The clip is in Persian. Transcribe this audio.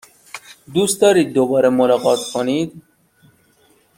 دوست دارید دوباره ملاقات کنید؟